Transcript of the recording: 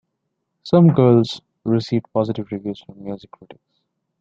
"Some Girls" received positive reviews from music critics.